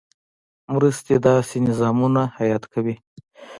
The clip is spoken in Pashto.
مرستې داسې نظامونه حیات کوي.